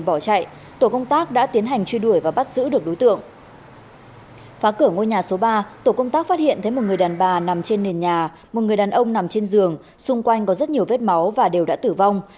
phá cửa ngôi nhà số ba tổ công tác phát hiện thấy một người đàn bà nằm trên nền nhà một người đàn ông nằm trên giường xung quanh có rất nhiều vết máu và đều đã tử vong